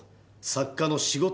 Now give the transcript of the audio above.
作家の仕事？